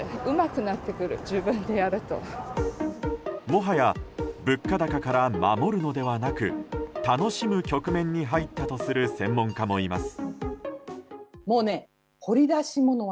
もはや物価高から守るのではなく楽しむ局面に入ったとする専門家もいます。